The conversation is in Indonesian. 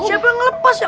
siapa yang lepas